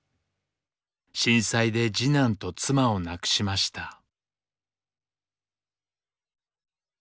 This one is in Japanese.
震災で次男と妻を亡くしました。